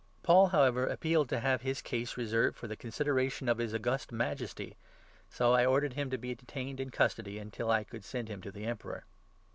Paul, however, appealed to have his case reserved 21 for the consideration of his August Majesty, so I ordered him to be detained in custody, until I could send him to the Emperor."